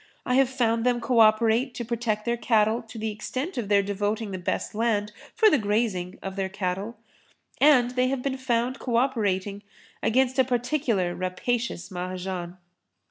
I have found them co operate to protect their cattle to the extent of their devoting the best land for the grazing of their cattle. And they have been found co operating against a particular rapacious Mahajan.